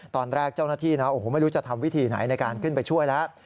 ตอนแรกเจ้าหน้าที่นะโอ้โหไม่รู้จะทำวิธีไหนในการขึ้นไปช่วยแล้ว